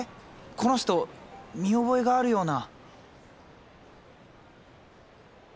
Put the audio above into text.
この人見覚えがあるような。